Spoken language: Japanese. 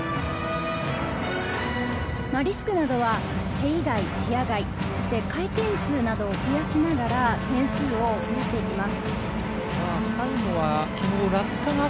リスクなどは手以外視野外、回転数などを増やしながら点数を増やしていきます。